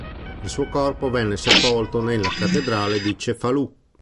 Il suo corpo venne sepolto nella Cattedrale di Cefalù.